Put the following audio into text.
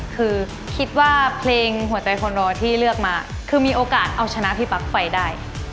คือคิดว่าเพลงหัวใจคนรอที่เลือกมาคือมีโอกาสเอาชนะพี่ปั๊กไฟได้